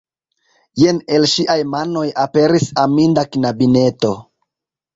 Jen el ŝiaj manoj aperis aminda knabineto.